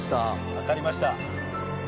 わかりました。